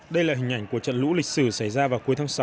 đây là hình ảnh của trận lũ lịch sử xảy ra vào cuối tháng sáu